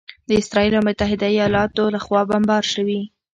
د اسراییل او متحده ایالاتو لخوا بمبار شوي